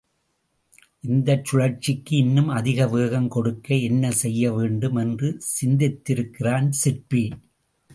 இந்தச் சுழற்சிக்கு இன்னும் அதிக வேகம் கொடுக்க என்ன செய்ய வேண்டும் என்று சிந்தித்திருக்கிறான் சிற்பி.